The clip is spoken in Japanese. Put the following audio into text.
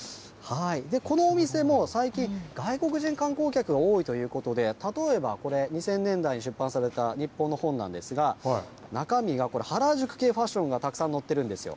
このお店も最近、外国人観光客が多いということで、例えばこれ、２０００年代に出版された日本の本なんですが、中身がこれ、原宿系ファッションがたくさん載ってるんですよ。